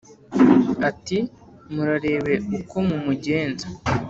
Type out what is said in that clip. ati: " murarebe uko mumugenza